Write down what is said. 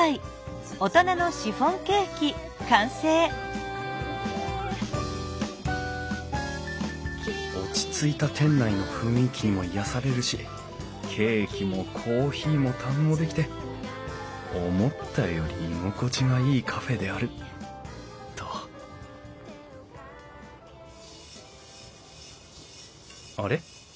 マスター特製の落ち着いた店内の雰囲気にも癒やされるしケーキもコーヒーも堪能できて思ったより居心地がいいカフェであるとあれ？